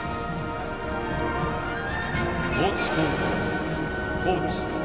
高知高校・高知。